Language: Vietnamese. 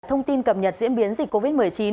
thông tin cập nhật diễn biến dịch covid một mươi chín